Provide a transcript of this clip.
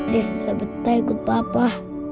dev gak berhenti ikut papa